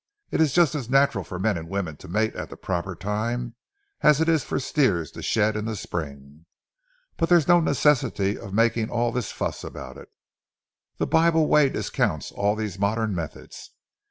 It is just as natural for men and women to mate at the proper time, as it is for steers to shed in the spring. But there's no necessity of making all this fuss about it. The Bible way discounts all these modern methods.